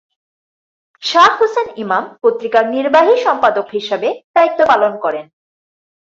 শাহ হুসেন ইমাম পত্রিকার নির্বাহী সম্পাদক হিসাবে দায়িত্ব পালন করেন।